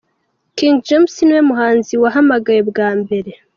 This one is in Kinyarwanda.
King James niwe muhanzi wahamagawe bwa mbere.